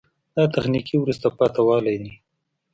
دا تخنیکي وروسته پاتې والی ده.